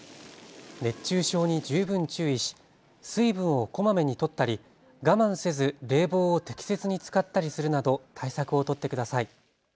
熱中症に十分注意し水分をこまめに取ったり我慢せず冷房を適切に使ったりするなど対策を取ってください。